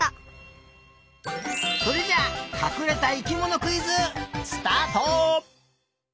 それじゃあかくれた生きものクイズスタート！